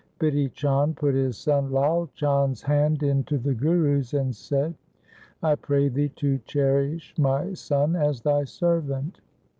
Bidhi Chand put his son Lai Chand's hand into the Guru's and said, ' I pray thee to cherish my son as thy servant.'